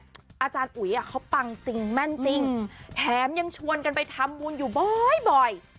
อาจารย์อุ๋ยเขาปังจริงแม่นจริงแถมยังชวนกันไปทำบุญอยู่บ่อย